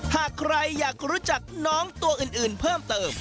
หากใครอยากรู้จักน้องตัวอื่นเพิ่มเติม